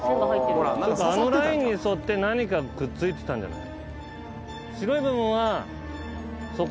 あのラインに沿って何かくっついてたんじゃない？